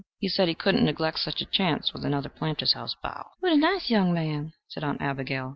He said he wouldn't neglect such a chance, with another Planters' House bow. "What a nice young man!" said Aunt Abigail.